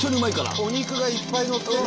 お肉がいっぱいのってる！